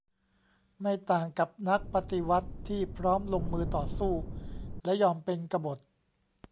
ไม่ต่างกับนักปฏิวัติที่พร้อมลงมือต่อสู้และยอมเป็นกบฏ